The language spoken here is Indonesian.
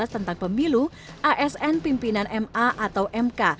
tentang pemilu asn pimpinan ma atau mk